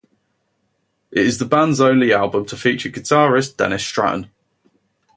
It is the band's only album to feature guitarist Dennis Stratton.